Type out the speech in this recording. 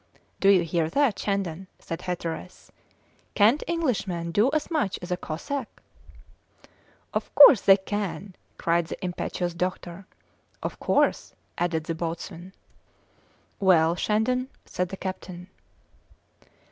"Do you hear that, Shandon?" said Hatteras; "can't Englishmen do as much as a Cossack?" "Of course they can," cried the impetuous doctor. "Of course," added the boatswain. "Well, Shandon?" said the captain.